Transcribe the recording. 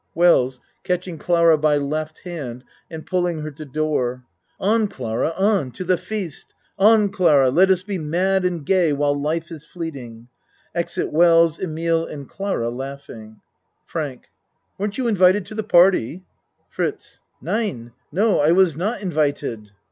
WELLS (Catching Clara by L. hand and pull ing her to door.) On, Clara, on, to the feast. On Clara, let us be mad and gay while life is fleeting. (Exit Wells, Emile, and Clara laughing.) FRANK Weren't you invited to the party? FRITZ Nein. No, I was not invited.